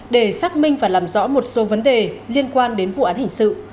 để xác minh và làm rõ một số vấn đề liên quan đến vụ án hình sự